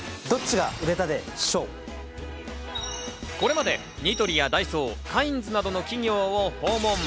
これまでニトリやダイソー、カインズなどの企業を訪問。